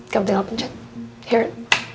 kamu tinggal pencet hear it